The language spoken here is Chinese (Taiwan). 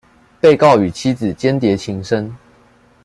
被告與妻子鰜鰈情深